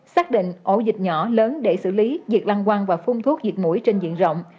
xác định ổ dịch nhỏ lớn để xử lý việc lăng quang và phun thuốc diệt mũi trên diện rộng